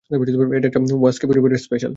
এটা একটা ওয়াকাওস্কি পরিবারের স্পেশাল।